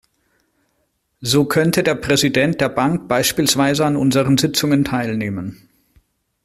So könnte der Präsident der Bank beispielsweise an unseren Sitzungen teilnehmen.